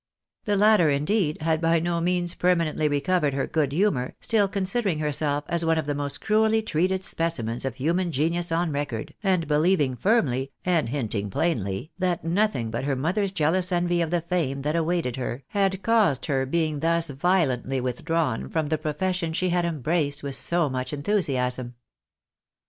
The latter, indeed, had by no means permanently recovered her good humour, still considering herself as one of the most cruelly treated specimens of human genius on record, and beUeving firmly, and hinting plainly, that nothing but her mother's jealous envy of the fame that awaited her, had caused her being thus violently withdrawn from the profession she had embraced with so much enthusiasm.